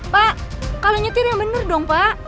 pak kalian nyetir yang bener dong pak